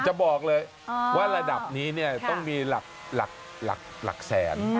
จะบอกเลยว่าระดับนี้เนี่ยต้องมีหลักแสน